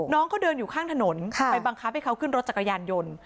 น้องเขาเดินอยู่ข้างถนนไปบังคับให้เขาขึ้นรถจักรยานยนต์